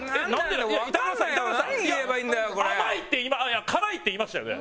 「甘い」って今「辛い」って言いましたよね？